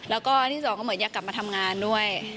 แล้วก็ที่สองก็เหมือนอยากกลับมาทำงานด้วย